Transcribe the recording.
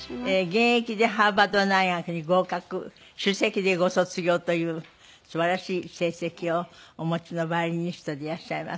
現役でハーバード大学に合格首席でご卒業という素晴らしい成績をお持ちのヴァイオリニストでいらっしゃいます。